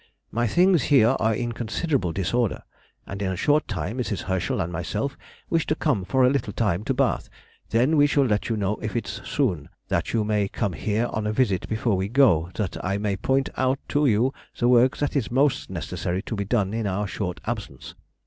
My things here are in considerable disorder, and in a short time Mrs. Herschel and myself wish to come for a little time to Bath, then we will let you know if it's soon, that you may come here on a visit before we go, that I may point out to you the work that is most necessary to be done in our short absence.